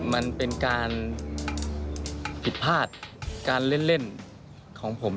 มันเป็นการผิดพลาดการเล่นของผม